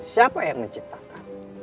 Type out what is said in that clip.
siapa yang menciptakan